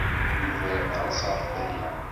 Yuba yeqres ɣef Baya.